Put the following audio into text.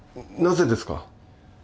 なぜですか？